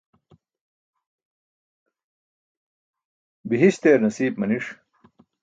bihiśt eer nasiip maniṣ